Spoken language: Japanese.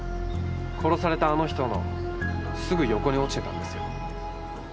殺されたあの人のすぐ横に落ちてたんですよ。